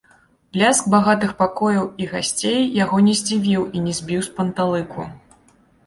Бляск багатых пакояў і гасцей яго не здзівіў і не збіў з панталыку.